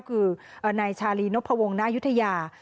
คือในชาลีนพวงณยุทยา